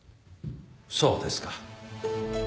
そうですか。